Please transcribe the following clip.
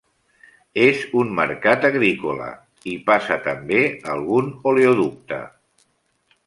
És un mercat agrícola; hi passa també algun oleoducte.